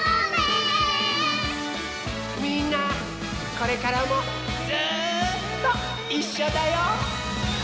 みんなこれからもずっといっしょだよ。